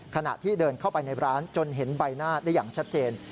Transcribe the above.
ขณะที่เดินเข้าไปในร้านจนเห็นใบหน้าได้อย่างชัดเจน